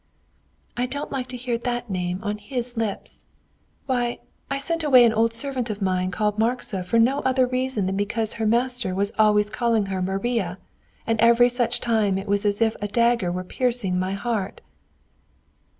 "I don't like to hear that name on his lips. Why, I sent away an old servant of mine called Marcsa for no other reason than because her master was always calling her Maria, and every such time it was as if a dagger were piercing my heart."